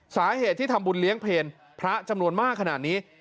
สาเหตุที่ทำบุญเลี้ยงเพลพระจำนวนมากขนาดนี้